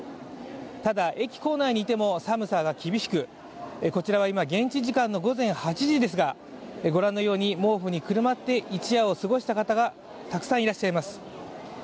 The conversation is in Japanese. ただ、駅構内にいても寒さが厳しくこちらは今、現地時間の午前８時ですが、毛布にくるまって一夜を過ごした方がたくさんいらっしゃいます。